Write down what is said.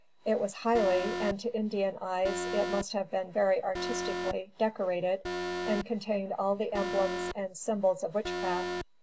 It was highly (and to Indian eyes it must have been very artistically) decorated, and contained all the emblems and symbols of witchcraft.